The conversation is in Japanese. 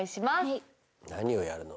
はい何をやるの？